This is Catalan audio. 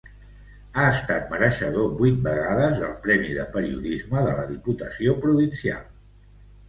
Ha estat mereixedor vuit vegades del premi de Periodisme de la Diputació Provincial.